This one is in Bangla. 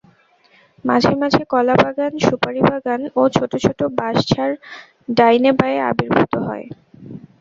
মাঝে মাঝে কলাবাগান সুপারিবাগান ও ছোট ছোট বাশঝাড় ডাইনে বায়ে আবির্ভূত হয়।